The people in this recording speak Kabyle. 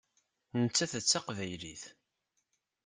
Nettat d taqbaylit.